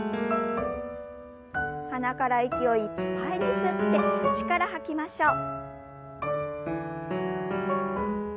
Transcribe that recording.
鼻から息をいっぱいに吸って口から吐きましょう。